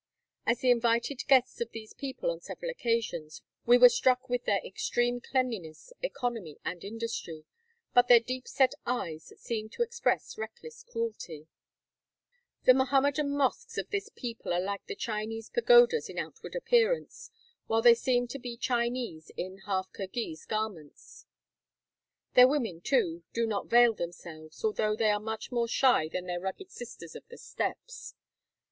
As the invited guests of these people on several occasions, we were struck with their extreme cleanliness, economy, and industry; but their deep set eyes seem to express reckless cruelty. The Mohammedan mosques of this people are like the Chinese IV 127 "^^ STROLLING MUSICIANS. 128 Across Asia on a Bicycle pagodas in outward appearance, while they seem to be Chinese in half Kirghiz garments. Their women, too, do not veil themselves, although they are much more shy than their rugged sisters of the steppes.